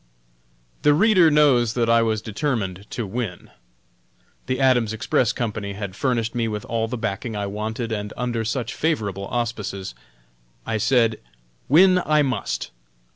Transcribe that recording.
The reader knows that I was determined to win. The Adams Express Company had furnished me with all the backing I wanted, and under such favorable auspices, I said, "Win, I must!